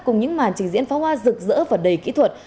cùng những màn trình diễn pháo hoa rực rỡ và đầy kỹ thuật